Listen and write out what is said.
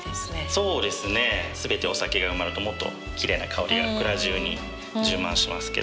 そうですね全てお酒が埋まるともっときれいな香りが蔵中に充満しますけど。